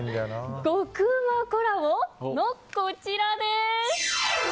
極うまコラボのこちらです。